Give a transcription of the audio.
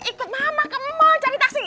ikut mama ke mall cari taksi